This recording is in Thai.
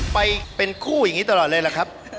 ไปเป็นคู่อย่างนี้ตลอดเลยล่ะครับ